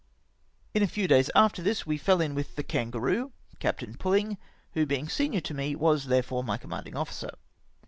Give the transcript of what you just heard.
In a few days after this, we fell in with the Kangaroo^ Captain PuUing, who, being senior to me, was there fore my commanding ofiicer.